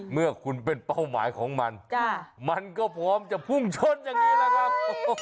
เมื่อคุณเป็นเป้าหมายของมันมันก็พร้อมจะพุ่งชนอย่างนี้แหละครับ